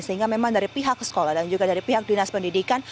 sehingga memang dari pihak sekolah dan juga dari pihak dinas pendidikan